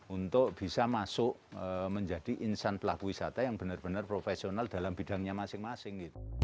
untuk bisa masuk menjadi insan pelaku wisata yang benar benar profesional dalam bidangnya masing masing